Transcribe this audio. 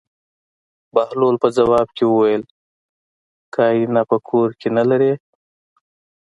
بهلول په ځواب کې وویل: که اېنه په کور کې نه لرې.